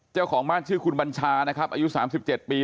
เจ้าของบ้านชื่อคุณบัญชานะครับอายุ๓๗ปี